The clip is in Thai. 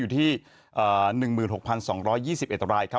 อยู่ที่๑๖๒๒๑รายครับ